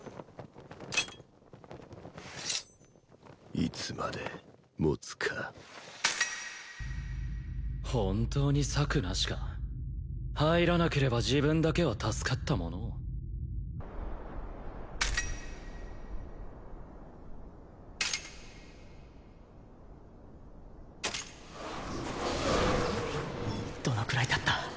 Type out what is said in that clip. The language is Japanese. いつまでもつか本当に策なしか入らなければ自分だけは助かったものをどのくらいたった？